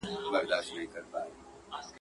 نه يې ورك سول په سرونو كي زخمونه.